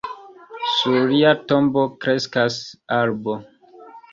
Sur lia tombo kreskas arbo.